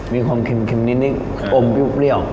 มีความเค็มนิดอมเปรี้ยว